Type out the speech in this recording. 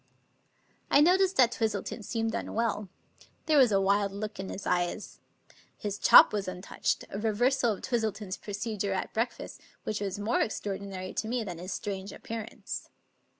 I noticed that Twistleton seemed unwell. There was a wild look in his eyes. His chop was untouched — a reversal of Twistleton's procedure at breakfast, which was more extraordinary to me than his strange appearance.